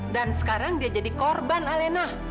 dan sekarang dia jadi korban alena